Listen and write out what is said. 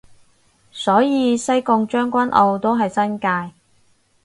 所以西貢將軍澳都係新界